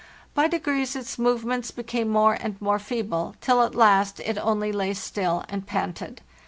By degrees its movements became more and more feeble, till at last it only lay still and panted.